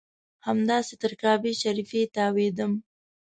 همداسې تر کعبې شریفې تاوېدم.